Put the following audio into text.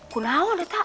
kau tahu teta